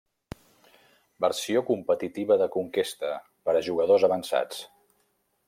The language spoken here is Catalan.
Versió competitiva de Conquesta, per a jugadors avançats.